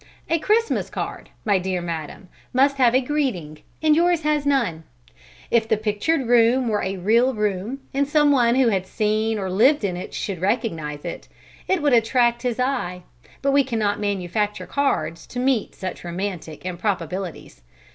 A Christmas card, my dear madam, must have a greeting, and yours has none. If the pictured room were a real room, and some one who had seen or lived in it should recognize it, it would attract his eye, but we cannot manufacture cards to meet such romantic improbabilities.